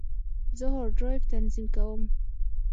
زه هارد ډرایو تنظیم کوم.